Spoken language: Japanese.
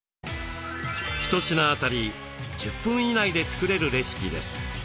一品辺り１０分以内で作れるレシピです。